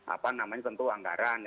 apa namanya tentu anggaran